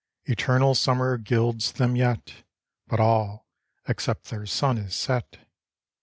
Eternal summer gilds them yet. But all, except their sun, is set.